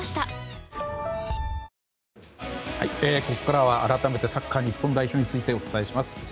ここからは改めてサッカー日本代表についてお伝えします。